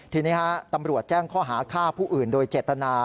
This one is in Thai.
ทีนี้ตำรวจแจ้งข้อหาฆ่าผู้อื่นโดยเจตนา